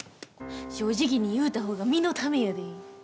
正直に言うた方が身のためやで。